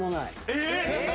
えっ！